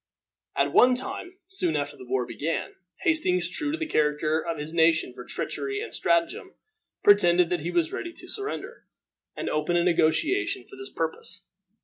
At one time, soon after the war began, Hastings, true to the character of his nation for treachery and stratagem, pretended that he was ready to surrender, and opened a negotiation for this purpose.